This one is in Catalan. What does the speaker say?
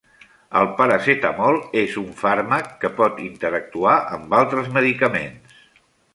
El paracetamol és un fàrmac que pot interactuar amb altres medicaments.